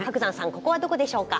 ここはどこでしょうか？